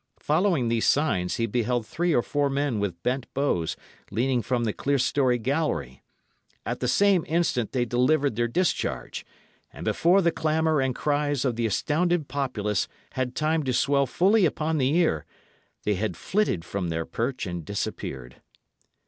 Following these signs, he beheld three or four men with bent bows leaning from the clerestory gallery. At the same instant they delivered their discharge, and before the clamour and cries of the astounded populace had time to swell fully upon the ear, they had flitted from their perch and disappeared.